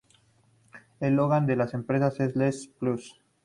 El logan de la empresa es ""Let's plus!"".